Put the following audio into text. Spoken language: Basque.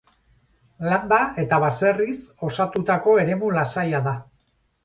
Landa eta baserriz osatutako eremu lasaia da.